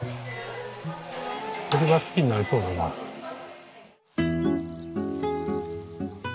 これは好きになりそうだな。